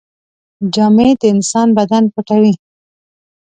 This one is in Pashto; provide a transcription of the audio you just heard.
جامې د انسان بدن پټوي.